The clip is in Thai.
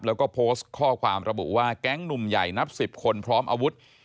แล้วก็โพสต์ข้อความระบุว่าแก๊งหนุ่มใหญ่นับ๑๐คนพร้อมอาวุธ